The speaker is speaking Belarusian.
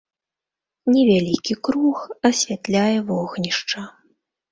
Невялікі круг асвятляе вогнішча.